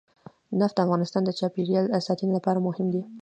نفت د افغانستان د چاپیریال ساتنې لپاره مهم دي.